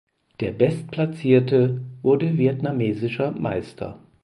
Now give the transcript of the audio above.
Der bestplatzierte wurde Vietnamesischer Meister.